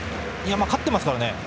勝ってますからね。